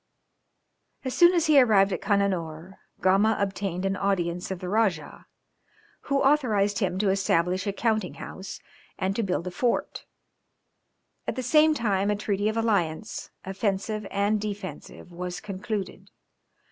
] As soon as he arrived at Cananore, Gama obtained an audience of the Rajah, who authorized him to establish a counting house, and to build a fort. At the same time a treaty of alliance, offensive and defensive was concluded.